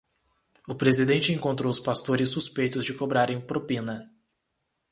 O presidente encontrou os pastores suspeitos de cobrarem propina